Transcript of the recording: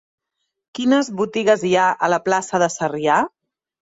Quines botigues hi ha a la plaça de Sarrià?